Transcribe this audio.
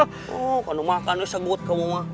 oh kandung makan ya segut kamu mah